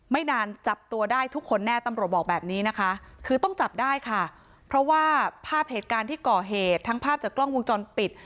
ไม่นานจับตัวได้ทุกคนแน่ตำรวจบอกแบบนี้นะคะคือต้องจับได้ค่ะเพราะว่าภาพเหตุการณ์ที่ก่อเหตุทั้งภาพจากกล้องวงจรปิด